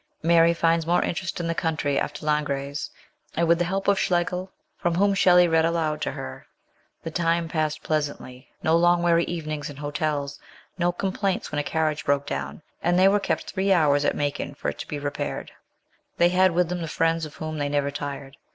Mary finds more interest in LIFE IN ITALY. 127 the country after Langres, and with the help of Schlegel, from whom Shelley read out loud to her, the time passed pleasantly ; no long weary evenings in hotels ; no complaints when a carriage broke down and they were kept three hours at Macon for it to be repaired : they had with them the friends of whom they never tired.